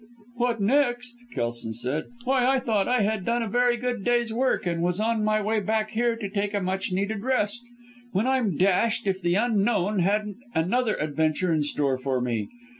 "What next!" Kelson said, "why I thought I had done a very good day's work and was on my way back here to take a much needed rest, when I'm dashed if the Unknown hadn't another adventure in store for me.